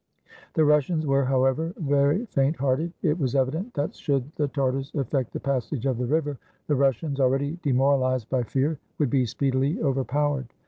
The Russians, were, however, very faint hearted. It was evident that should the Tartars effect the passage of the river, the Russians, already demoralized by fear, would be speedily overpowered.